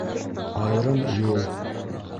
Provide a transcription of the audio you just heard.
Айырым юл